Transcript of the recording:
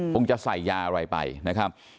คงจะใส่ยาอะไรไปนะครับ